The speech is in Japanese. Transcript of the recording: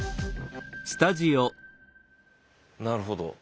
なるほど。